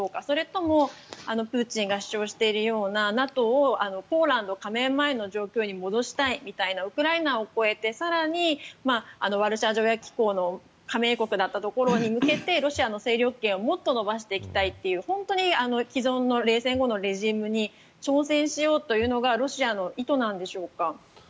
それともプーチンが主張しているようなＮＡＴＯをポーランド加盟前の状態に戻したいみたいなウクライナを超えて更にワルシャワ条約機構の加盟国だったところに向けてロシアの勢力圏をもっと伸ばしていきたいという本当に既存の冷戦後のレジームに挑戦しようというのがロシアの意図なんでしょうか。